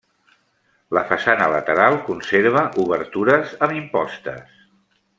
La façana lateral conserva obertures amb impostes.